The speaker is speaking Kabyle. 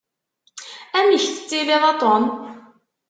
Amek tettiliḍ a Tom?